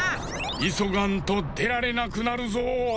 いそがんとでられなくなるぞ！